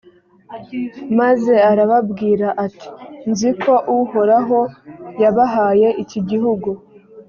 maze arababwira ati «nzi ko uhoraho yabahaye iki gihugu,